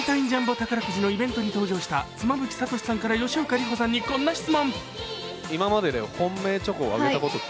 宝くじのイベントに登場した妻夫木聡さんから吉岡里帆さんにこんな質問。